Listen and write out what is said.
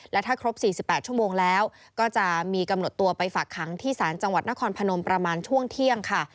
และถ้าครบ๔๘ชั่วโมงแล้วก็จะมีกำหนดตัวไปฝากขังที่ศาลจังหวัดนครพนมประมาณช่วงเที่ยงค่ะ